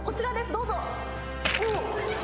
・どうぞ。